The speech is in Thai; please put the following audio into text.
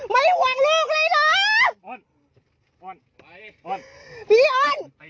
ไม่ห่วงลูกเลยนะ